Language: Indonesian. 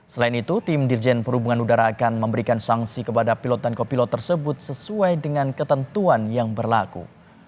selain itu tim dirjen perhubungan udara akan memberikan sanksi kepada pilot dan kopilot tersebut sesuai dengan ketentuan yang berlaku